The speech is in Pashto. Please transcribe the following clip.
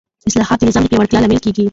اصلاحات د نظام د پیاوړتیا لامل کېږي